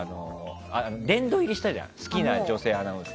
殿堂入りしたじゃん好きな女性アナウンサー。